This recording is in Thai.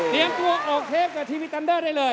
เรียกตัวโอเคกับทีวีตันเดอร์ได้เลย